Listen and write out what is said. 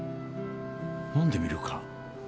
飲んでみるか？